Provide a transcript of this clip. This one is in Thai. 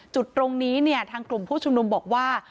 จุดตรงนี้เนี่ยทางกลุ่มผู้ชุมนุมบอกว่า